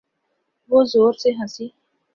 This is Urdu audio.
وہ زور سے ہنسی۔